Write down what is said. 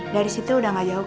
dari situ udah ga jauh kok